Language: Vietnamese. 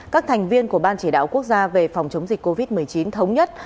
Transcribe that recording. các thành viên của ban chỉ đạo quốc gia về phòng chống dịch covid một mươi chín thống nhất